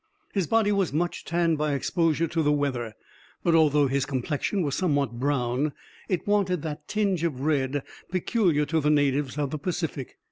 His body was much tanned by exposure to the weather; but although his complexion was somewhat brown, it wanted that tinge of red peculiar to the natives of the Pacific.